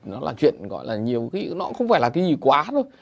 nó là chuyện gọi là nhiều khi nó không phải là cái gì quá đâu